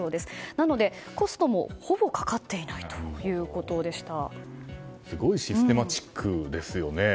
なのでコストもほぼすごいシステマチックですよね。